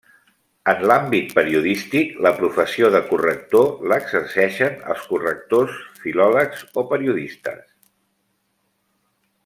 En l'àmbit periodístic, la professió de corrector l'exerceixen els correctors, filòlegs o periodistes.